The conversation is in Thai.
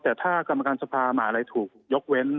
แต่ถ้ากรรมการสภาหมาลัยถูกยกเว้น